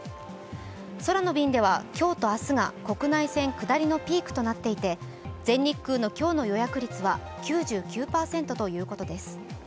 空の便では今日と明日が国内線下りのピークとなっていて、全日空の今日の予約率は９９％ということです。